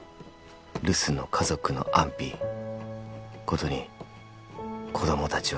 「留守の家族の安否」「ことに子どもたちは」